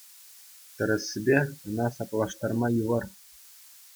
Тӗрӗссипе, ӑна саплаштарма йывӑр.